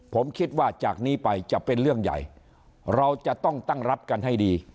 ผมคิดว่าจากนี้ไปจะเป็นเรื่องใหญ่เราจะต้องตั้งรับกันให้ดี